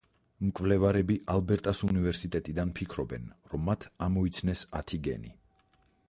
მკვლევარები ალბერტას უნივერსიტეტიდან ფიქრობენ, რომ მათ ამოიცნეს ათი გენი.